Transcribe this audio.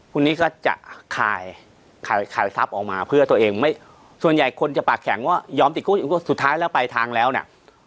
คนนี้ก็จะขายขายทรัพย์ออกมาเพื่อตัวเองไม่ส่วนใหญ่คนจะปากแข็งว่ายอมติดคุกสุดท้ายแล้วไปทางแล้วเนี่ย